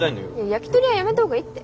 焼きとりはやめた方がいいって。